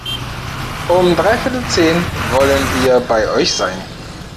Um dreiviertel zehn wollen wir bei euch sein.